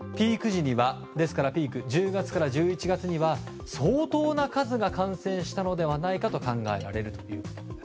ですからピークの１０月から１１月には相当な数が感染したのではないかと考えられるというんです。